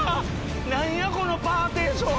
何やこのパーティション。